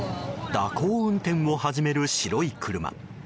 蛇行運転を始める白い車。